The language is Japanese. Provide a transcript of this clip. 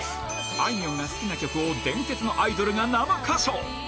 あいみょんが好きな曲を伝説のアイドルが生歌唱。